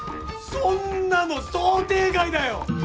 そんなの想定外だよ！